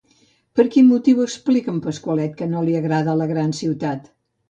Per quin motiu explica en Pasqualet que no li agrada la gran ciutat?